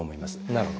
なるほど。